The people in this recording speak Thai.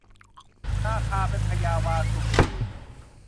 นาคาเป็นพญาวาสุกรี